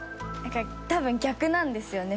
多分逆なんですよね